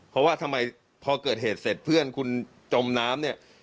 เพราะว่าทำไมพอเกิดเหตุเสร็จเพื่อนคุณจมน้ำเนี่ย